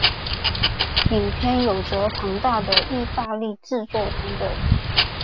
影片有着庞大的意大利制作团队。